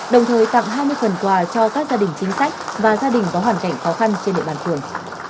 đồng thời tặng hai mươi phần quà cho các gia đình chính sách và gia đình có hoàn cảnh khó khăn trên địa bàn phường